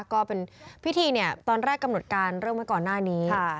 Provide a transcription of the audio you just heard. ก็เป็นพิธีเนี่ยตอนแรกกำหนดการเริ่มไว้ก่อนหน้านี้